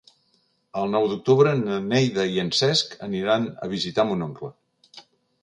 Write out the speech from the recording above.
El nou d'octubre na Neida i en Cesc aniran a visitar mon oncle.